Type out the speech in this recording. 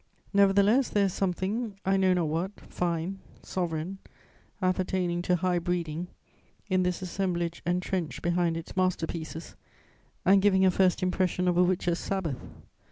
Nevertheless, there is something, I know not what, fine, sovereign, appertaining to high breeding, in this assemblage entrenched behind its master pieces and giving a first impression of a witches' Sabbath.